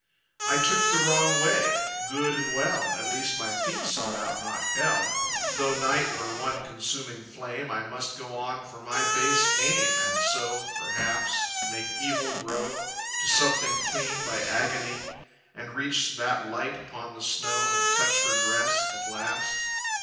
I took the wrong way. Good and well, At least my feet sought out not Hell! Though night were one consuming flame I must go on for my base aim, And so, perhaps, make evil grow To something clean by agony... And reach that light upon the snow... And touch her dress at last...